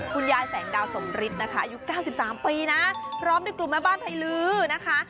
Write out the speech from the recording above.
คุณยายแสงดาวสมฤทธิ์นะคะอายุ๙๓ปีนะพร้อมด้วยกลุ่มแม่บ้านไทยลื้อนะคะ